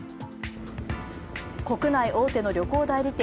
国内大手の旅行代理店